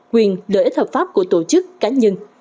quyền lợi ích hợp pháp của tổ chức cá nhân